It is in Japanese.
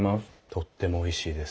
とってもおいしいです。